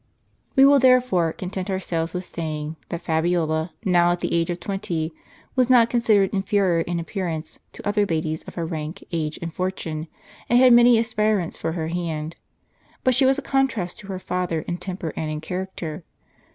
We will, therefore, content ourselves with saying, that Fabiola, now at the age of twenty, was not considered inferior in appearance to other ladies of her rank, age, and fortune, and had many aspirants for her hand. But she was a contrast to her father in temper and in character.